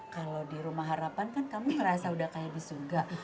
kalau di rumah harapan kan kamu ngerasa udah kayak di suga